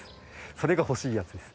それが欲しいやつです